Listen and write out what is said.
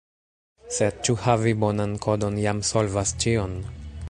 Sed ĉu havi bonan kodon jam solvas ĉion?